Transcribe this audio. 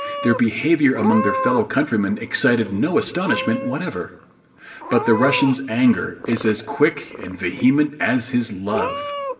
Their behaviour among their fellow countrymen excited no astonishment whatever. But the Russians's anger is as quick and vehement as his love.